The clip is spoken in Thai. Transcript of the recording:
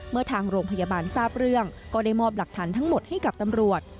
เมื่อทางโรงพยาบาลทราบเรื่องก็ได้มอบหลักฐานทั้งหมดให้กับตำรวจ